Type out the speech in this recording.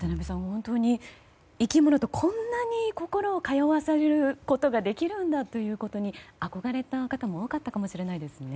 本当に生き物とこんなに心を通わせることができるんだということに憧れた方も多かったかもしれないですね。